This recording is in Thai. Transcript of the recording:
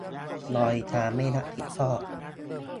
ดอยช้างไม่รับผิดชอบ